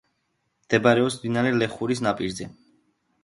მდებარეობს მდინარე ლეხურის ნაპირზე.